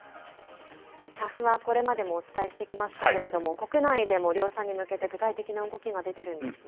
ＳＡＦはこれまでもお伝えしてきましたけれども、国内でも量産に向けて、具体的な動きが出てるんですね。